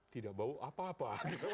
tidak bau apa apa